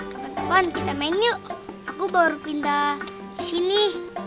kapan kapan kita main yuk aku baru pindah di sini